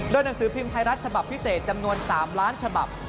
หนังสือพิมพ์ไทยรัฐฉบับพิเศษจำนวน๓ล้านฉบับ